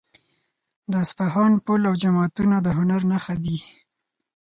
د اصفهان پل او جوماتونه د هنر نښه دي.